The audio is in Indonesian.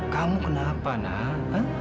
kamu kenapa nak